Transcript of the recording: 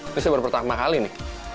ini saya baru pertama kali nih